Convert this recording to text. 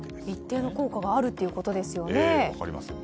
一定の効果があるということですよね。